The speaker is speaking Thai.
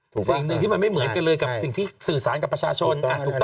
สิ่งหนึ่งที่มันไม่เหมือนกันเลยกับสิ่งที่สื่อสารกับประชาชน